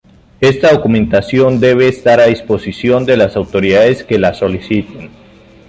Esta documentación debe estar a disposición de las autoridades que la soliciten.